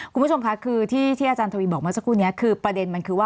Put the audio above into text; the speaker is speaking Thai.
คุณผู้ชมค่ะคือที่อาจารย์ทวีบอกเมื่อสักครู่นี้คือประเด็นมันคือว่า